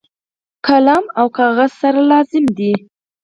قلم او کاغذ سره لازم دي.